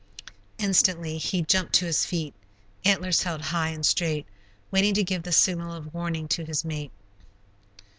Instantly he jumped to his feet, antlers held high and straight, waiting to give the signal of warning to his mate.